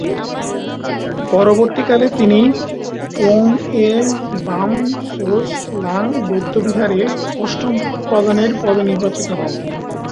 পরবর্তীকালে তিনি ঙ্গোর-এ-বাম-ছোস-ল্দান বৌদ্ধবিহারের অষ্টম প্রধানের পদে নির্বাচিত হন।